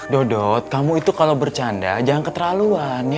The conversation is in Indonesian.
duduk kamu itu kalau bercanda jangan keterlaluan ya